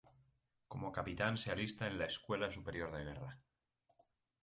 Como capitán se alista en la Escuela Superior de Guerra.